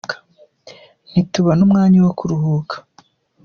Ntitubona umwanya wo kuruhuka.